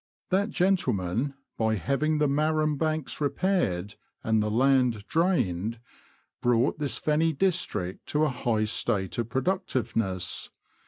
That gentleman, by having the marram banks repaired, and the land drained, brought this fenny district to a high state of produc tiveness.